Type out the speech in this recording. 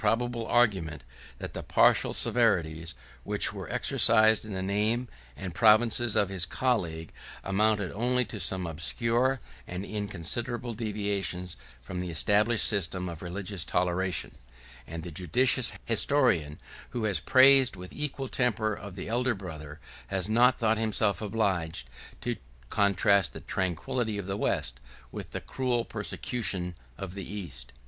The silence of Valentinian may suggest a probable argument that the partial severities, which were exercised in the name and provinces of his colleague, amounted only to some obscure and inconsiderable deviations from the established system of religious toleration: and the judicious historian, who has praised the equal temper of the elder brother, has not thought himself obliged to contrast the tranquillity of the West with the cruel persecution of the East.